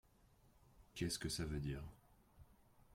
Qu'est-ce que ça veut dire ?